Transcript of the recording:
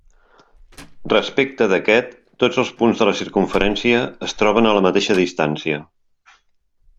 Respecte d'aquest, tots els punts de la circumferència es troben a la mateixa distància.